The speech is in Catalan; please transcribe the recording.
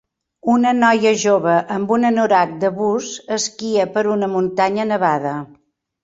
una noia jove amb un anorac de bus esquia per una muntanya nevada.